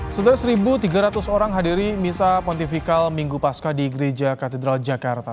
sudah satu tiga ratus orang hadiri misa pontifikal minggu pasca di gereja katedral jakarta